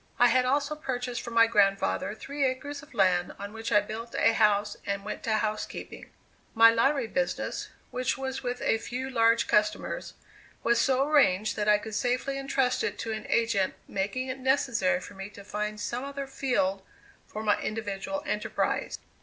I had also purchased from my grandfather three acres of land on which I built a house and went to housekeeping. My lottery business, which was with a few large customers, was so arranged that I could safely entrust it to an agent, making it necessary for me to find some other field for my individual enterprise.